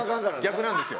逆なんですよ。